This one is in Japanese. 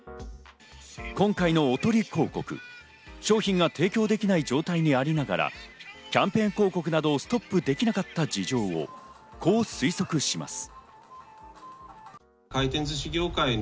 今回のおとり広告、商品が提供できない状態にありながらキャンペーン広告などをストップできなかった事情をこう推測します。